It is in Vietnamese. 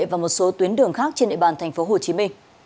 và một số tuyến đường khác trên địa bàn tp hcm